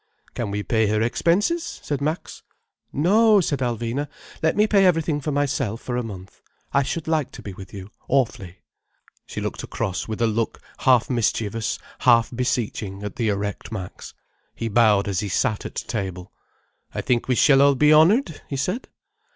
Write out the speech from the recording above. "Can we pay her expenses?" said Max. "No," said Alvina. "Let me pay everything for myself, for a month. I should like to be with you, awfully—" She looked across with a look half mischievous, half beseeching at the erect Max. He bowed as he sat at table. "I think we shall all be honoured," he said.